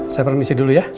saya permisi dulu ya